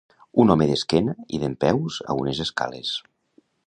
Un home d'esquena i dempeus a unes escales.